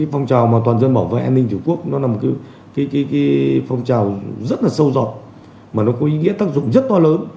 phong trào toàn dân bảo vệ an ninh tổ quốc nó là một phong trào rất là sâu rọt mà nó có ý nghĩa tác dụng rất to lớn